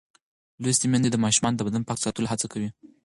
لوستې میندې د ماشومانو د بدن پاک ساتلو هڅه کوي.